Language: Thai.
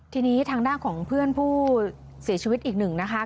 ทีนี้ทางด้านของเพื่อนผู้เสียชีวิตอีกหนึ่งนะคะ